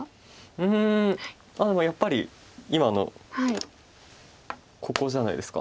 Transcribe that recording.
うんやっぱり今のここじゃないですか。